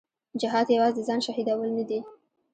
جهاد یوازې د ځان شهیدول نه دي.